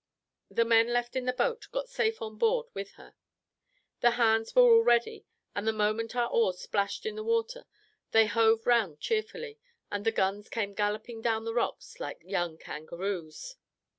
The men left in the boat got safe on board with her. The hands were all ready, and the moment our oars splashed in the water, they hove round cheerfully, and the guns came galloping down the rocks like young kangaroos.